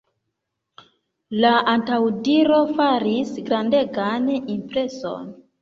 La antaŭdiro faris grandegan impreson.